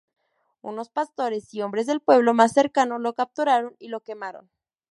Unos pastores y hombres del pueblo más cercano lo capturaron y lo quemaron.